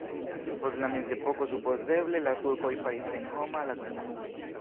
Post la mezepoko supozeble la turkoj faris senhoma la komunumon.